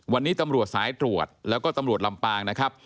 วันนี้ตำรวจสายตรวจแล้วก็ตำรวจลำปางนะครับ